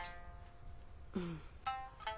うん。